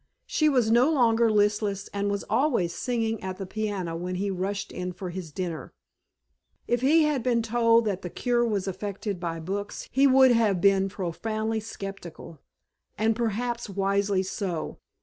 She was no longer listless and was always singing at the piano when he rushed in for his dinner. If he had been told that the cure was effected by books he would have been profoundly skeptical, and perhaps wisely so.